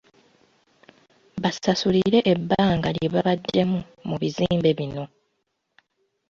Basasulire ebbanga lye babaddemu mu bizimbe bino.